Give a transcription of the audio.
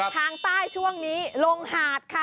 ทางใต้ช่วงนี้ลงหาดค่ะ